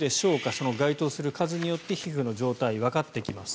その該当する数によって皮膚の状態がわかってきます。